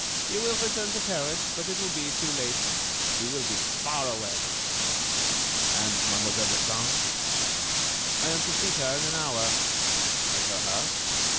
He will return to Paris; but it will be too late. We will be far away." "And Mademoiselle Destange?" "I am to see her in an hour." "At her house?"